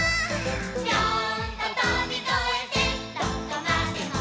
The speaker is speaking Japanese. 「ピョーンととびこえてどこまでも」